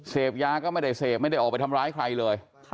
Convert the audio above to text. เสพยาก็ไม่ได้เสพไม่ได้ออกไปทำร้ายใครเลย